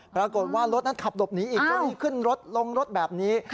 ปรากฏว่ารถนั้นขับหลบหนีอีกเจ้าหน้าที่ขึ้นรถลงรถแบบนี้